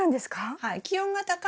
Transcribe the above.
はい。